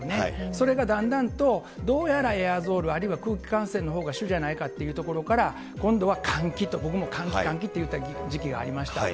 それがだんだんとどうやらエアゾール、あるいは空気感染のほうが主じゃないかっていうところから、今度は換気と、僕も換気、換気って言った時期がありました。